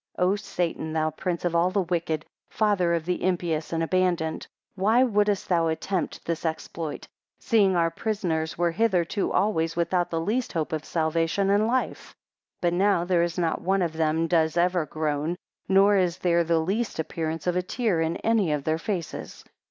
7 O Satan, thou prince of all the wicked, father of the impious and abandoned, why wouldest thou attempt this exploit, seeing our prisoners were hitherto always without the least hope of salvation and life? 8 But now there is not one of them does ever groan, nor is there the least appearance of a tear in any of their faces.